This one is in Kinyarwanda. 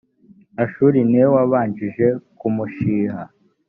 ashuri ni we wabanje kumushiha